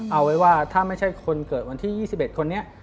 เอาไว้ว่าถ้าไม่ใช่คนเกิดวันที่๒๑คนนี้